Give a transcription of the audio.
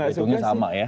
itunya sama ya